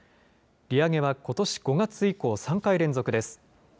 利上げはことし５月以降、３回連続です。